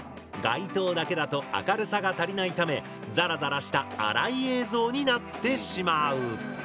街灯だけだと明るさが足りないためザラザラした粗い映像になってしまう。